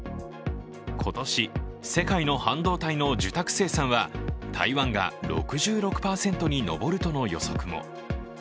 今年、世界の半導体の受託生産は台湾が６６％に上るとの予測も。